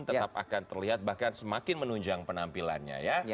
tetap akan terlihat bahkan semakin menunjang penampilannya ya